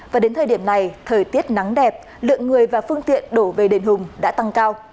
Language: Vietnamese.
và đến thời điểm này thời tiết nắng đẹp lượng người và phương tiện đổ về đền hùng đã tăng cao